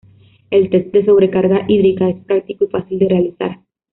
El test de sobrecarga hídrica es práctico y fácil de realizar.